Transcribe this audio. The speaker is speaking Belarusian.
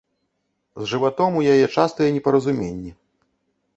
З жыватом у яе частыя непаразуменні.